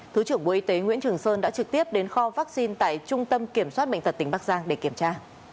thứ trưởng bộ y tế nguyễn trường sơn đã trực tiếp đến kho vaccine tại trung tâm kiểm soát bệnh tật tỉnh bắc giang để kiểm tra